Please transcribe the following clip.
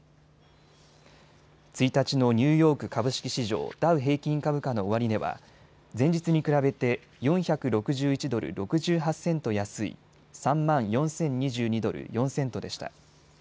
１日のニューヨーク株式市場、ダウ平均株価の終値は前日に比べて４６１ドル６８セント安い３万４０２２ドル４セントでした。